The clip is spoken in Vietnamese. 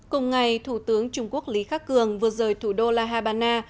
cùng ngày thủ tướng trung quốc lý khắc cường vừa rời thủ đô la habana